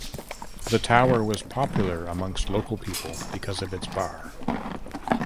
The tower was popular amongst local people because of its bar.